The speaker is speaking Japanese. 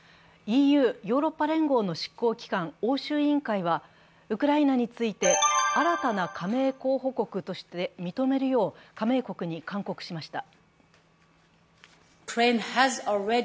ＥＵ＝ヨーロッパ連合の執行機関欧州委員会は、ウクライナについて、新たな加盟候補国として認めるよう、加盟国に勧告しました。